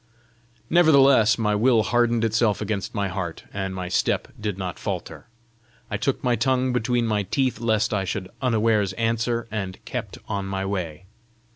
Nevertheless my will hardened itself against my heart, and my step did not falter. I took my tongue between my teeth lest I should unawares answer, and kept on my way.